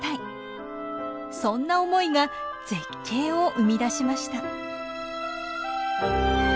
そんな思いが絶景を生み出しました。